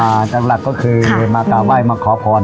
อักหลักก็คือมาขาไหวดมาขอผ่อน